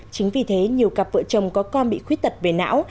chính vì thế nhiều cặp vợ chồng có con bị khuyết tật về não